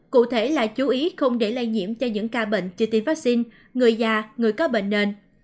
cụ thể là chú ý không để lây nhiễm cho những ca bệnh chưa tiêm vaccine người già người có bệnh nền